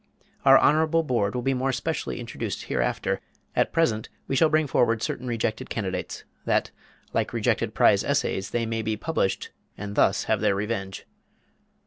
Our honorable Board will be more specially introduced hereafter; at present we shall bring forward certain rejected candidates, that, like rejected prize essays, they may be published, and thus have their revenge.